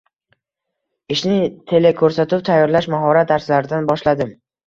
Ishni teleko‘rsatuv tayyorlash mahorat darslaridan boshladim.